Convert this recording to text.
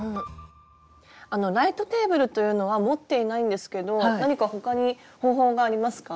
あのライトテーブルというのは持っていないんですけど何か他に方法がありますか？